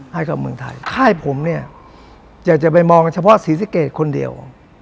ให้กับเมืองไทยค่ายผมเนี่ยอยากจะไปมองเฉพาะศรีสะเกดคนเดียว